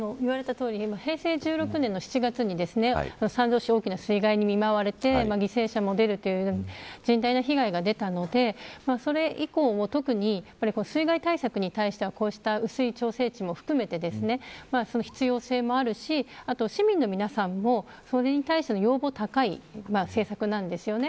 平成１６年の７月に三条市は、大きな水害に見舞われて犠牲者も出るという甚大な被害が出たのでそれ以降も特に水害対策に関してはこうした雨水調整池も含めて必要性もあるし市民の皆さんもそれに対しての要望が高い政策なんですよね。